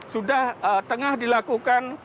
sudah tengah dilakukan